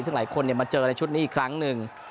ซึ่งหลายคนมาเจอในชุดนี้อีกครั้งหนึ่ง